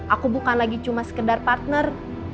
aku bukan lagi cuma sekedar partner